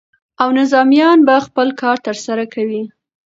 او نظامیان به خپل کار ترسره کوي.